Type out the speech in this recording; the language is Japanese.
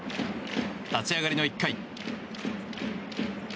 立ち上がりの１回。